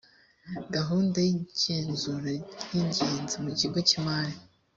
gahunda y’igenzura y’ingenzi mu kigo cy’imari